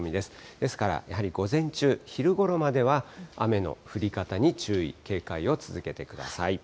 ですからやはり午前中、昼ごろまでは、雨の降り方に注意、警戒を続けてください。